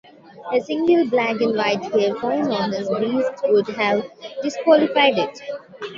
A single black or white hair found on the beast would have disqualified it.